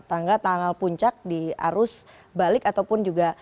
tanggal tanggal puncak di arus balik ataupun juga